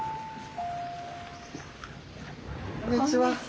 こんにちは。